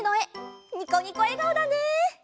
ニコニコえがおだね。